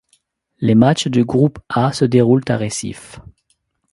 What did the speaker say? Les matchs du groupe A se déroulent à Recife.